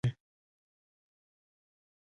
يوالي د هري کور او ټولني او هيواد د بری لمړي شرط دي